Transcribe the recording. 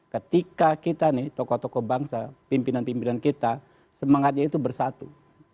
ketika kita nih tokoh tokoh bangsa pimpinan pimpinan kita semangatnya itu bersatu